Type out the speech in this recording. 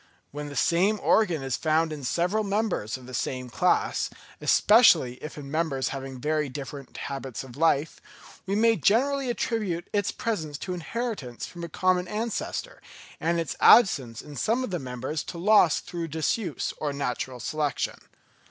When the same organ is found in several members of the same class, especially if in members having very different habits of life, we may generally attribute its presence to inheritance from a common ancestor; and its absence in some of the members to loss through disuse or natural selection.